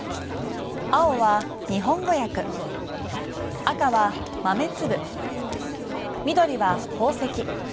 青は日本語訳赤は豆粒、緑は宝石。